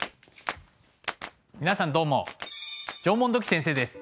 皆さんどうも縄文土器先生です。